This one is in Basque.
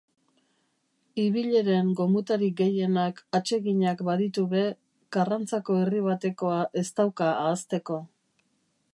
Ibileren gomutarik gehienak atseginak baditu be, Karrantzako herri batekoa ez dauka ahazteko.